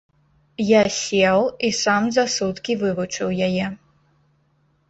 Я сеў і сам за суткі вывучыў яе.